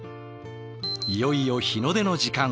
いよいよ日の出の時間。